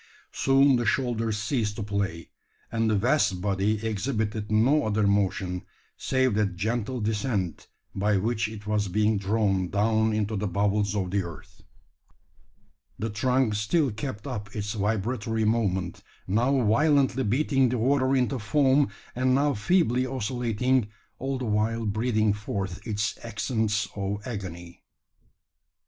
Soon the shoulders ceased to play; and the vast body exhibited no other motion, save that gentle descent by which it was being drawn down into the bowels of the earth! The trunk still kept up its vibratory movement, now violently beating the water into foam, and now feebly oscillating, all the while breathing forth its accents of agony.